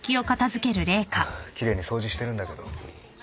ハァ奇麗に掃除してるんだけど。